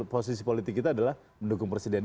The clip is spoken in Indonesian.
posisi politik kita adalah mendukung presiden